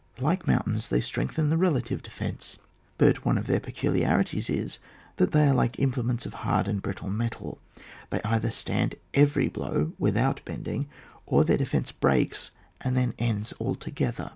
Like mountains, they strengthen the relative defence ; but one of their pecu liarities is, that they are like implements of hard and brittle metal, they either stand every blow without bending, or their defence breaks and then ends altogether.